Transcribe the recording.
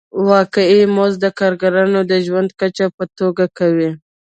واقعي مزد د کارګرانو د ژوند کچه په ګوته کوي